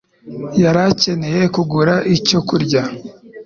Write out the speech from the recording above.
yari akeneye kugura icyo kurya.